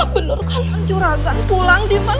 bener kan juragan pulang diman